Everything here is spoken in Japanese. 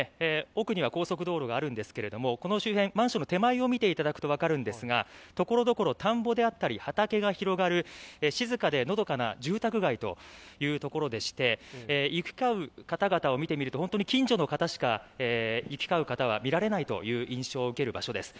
奥には高速道路があるんですがこの周辺、マンションの手前を見ていただくと分かるんですが、ところどころ田んぼであったり畑が広がる静かでのどかな住宅街というところでして行き交う方々を見てみると近所の方しか行き交う方は見られないという印象を受ける場所です。